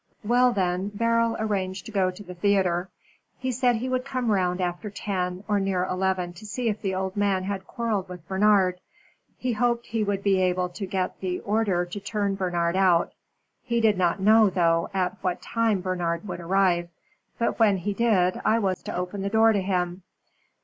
Well, then, Beryl arranged to go to the theatre. He said he would come round after ten or near eleven to see if the old man had quarrelled with Bernard. He hoped that he would be able to get the order to turn Bernard out. He did not know, though, at what time Bernard would arrive. But when he did, I was to open the door to him."